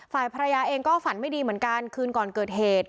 ฝ่ายภรรยาเองก็ฝันไม่ดีเหมือนกันคืนก่อนเกิดเหตุ